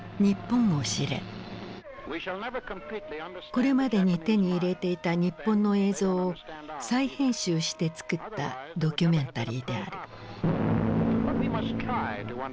これまでに手に入れていた日本の映像を再編集して作ったドキュメンタリーである。